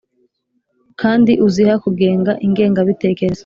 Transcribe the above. Kandi uziha kugenga ingengabitekerezo